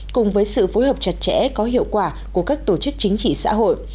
cùng với sự phối hợp chặt chẽ có hiệu quả của các tổ chức chính trị xã hội